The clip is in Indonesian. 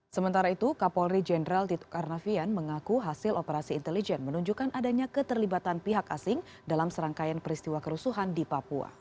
sementara itu kapolri jenderal tito karnavian mengaku hasil operasi intelijen menunjukkan adanya keterlibatan pihak asing dalam serangkaian peristiwa kerusuhan di papua